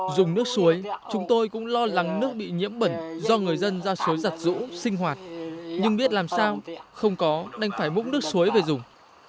dùng nước suối chúng tôi cũng lo lắng nước bị nhiễm bẩn do người dân ra suối giặt rũ sinh hoạt nhưng biết làm sao không có nên phải mũng nước suối về dùng